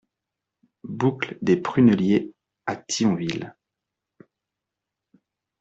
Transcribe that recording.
Boucle des Prunelliers à Thionville